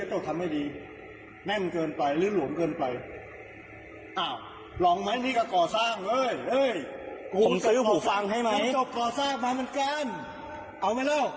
อ้าวลองมั้ยรีกะก่อสร้างเว้ย